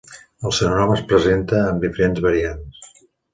El seu nom es presenta amb diferents variants.